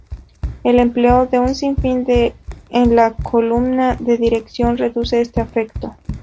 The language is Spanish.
El empleo de un sin fin en la columna de dirección reduce este efecto.